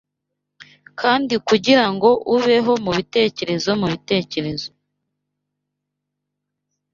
Kandi kugirango ubeho mubitekerezo mubitekerezo